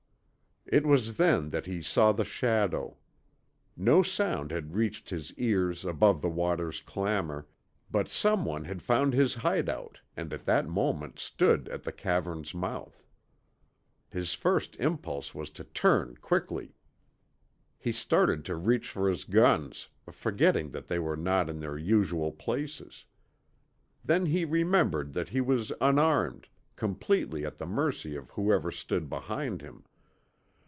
It was then that he saw the shadow. No sound had reached his ears above the water's clamor, but someone had found his hideout and at that moment stood at the cavern's mouth. His first impulse was to turn quickly. He started to reach for his guns, forgetting that they were not in their usual places. Then he remembered that he was unarmed completely at the mercy of whoever stood behind him.